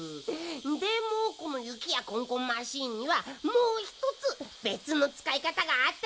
でもこのゆきやこんこんマシーンにはもうひとつべつのつかいかたがあったやろ。